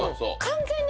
完全に。